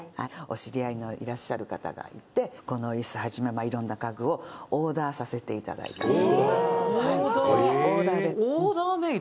「お知り合いのいらっしゃる方がいてこの椅子始め色んな家具をオーダーさせて頂いたんです」